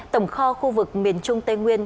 tổng kho khu vực miền trung tây nguyên